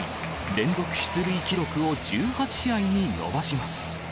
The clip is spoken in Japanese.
連続出塁記録を１８試合に伸ばします。